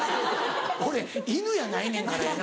俺犬やないねんからやな。